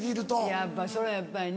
やっぱそりゃやっぱりね。